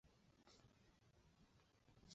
奥萨南岸。